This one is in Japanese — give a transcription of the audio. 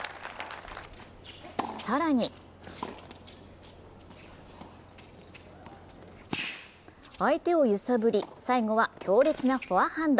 更に相手を揺さぶり最後は強烈なフォアハンド。